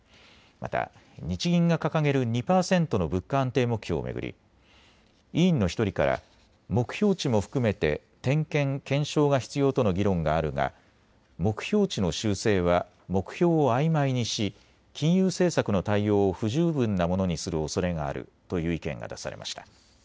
また日銀が掲げる２％の物価安定目標を巡り委員の１人から目標値も含めて点検・検証が必要との議論があるが、目標値の修正は目標をあいまいにし金融政策の対応を不十分なものにするおそれがあるという意見が出されました。